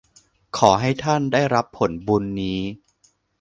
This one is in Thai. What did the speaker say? ขอให้ท่านได้รับผลบุญนี้